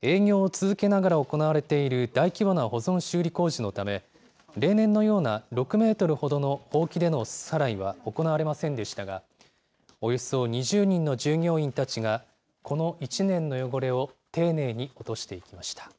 営業を続けながら行われている大規模な保存修理工事のため、例年のような、６メートルほどのほうきでのすす払いは行われませんでしたが、およそ２０人の従業員たちが、この一年の汚れを丁寧に落としていきました。